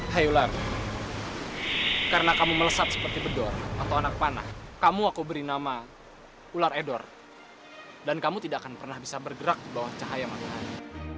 ular karena kamu melesat seperti bedor atau anak panah kamu aku beri nama ular edor dan kamu tidak akan pernah bisa bergerak di bawah cahaya matahari